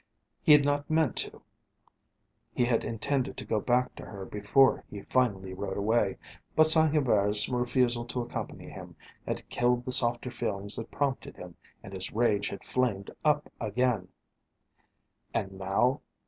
He had not meant to, he had intended to go back to her before he finally rode away, but Saint Hubert's refusal to accompany him had killed the softer feelings that prompted him, and his rage had flamed up again. And now?